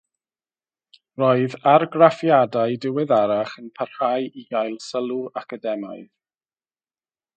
Roedd argraffiadau diweddarach yn parhau i gael sylw academaidd.